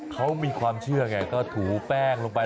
เขามีความเชื่อไงก็ถูแป้งลงไป